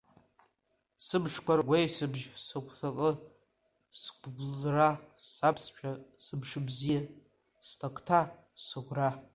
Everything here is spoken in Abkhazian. Сымшқәа ргәеисыбжь, сыгәҭакы, сгәыблра, Саԥсшәа, сымшбзиа, слакҭа, сыгәра.